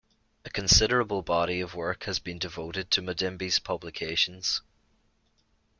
A considerable body of work has been devoted to Mudimbe's publications.